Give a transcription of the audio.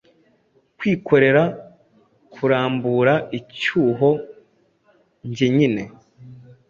kwikorera kurambura icyuho njyenyine,